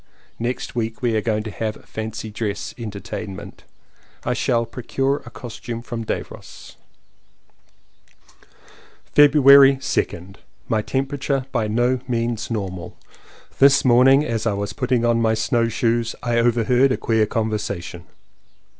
Next week we are going to have a fancy dress entertainment. I shall procure a costume from^Davos. 232 LLEWELLYN POWYS February 2nd. My temperature by no means normal. This morning as I was putting on my snow shoes I overheard a queer conversation.